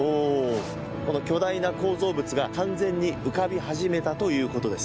この巨大な構造物が、完全に浮かび始めたということです。